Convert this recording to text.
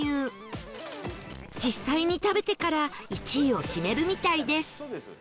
実際に食べてから１位を決めるみたいです